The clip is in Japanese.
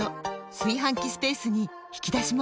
炊飯器スペースに引き出しも！